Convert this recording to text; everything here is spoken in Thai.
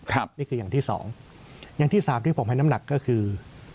นี่คืออย่างที่สองอย่างที่สามที่ผมให้น้ำหนักก็คือ